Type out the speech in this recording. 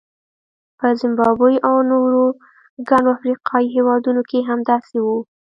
په زیمبابوې او نورو ګڼو افریقایي هېوادونو کې هم داسې وو.